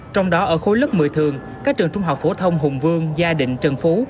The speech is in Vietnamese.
trong đó ở khối lớp một mươi thường các trường trung học phổ thông hùng vương gia định trần phú